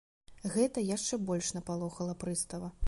Гэта яшчэ больш напалохала прыстава.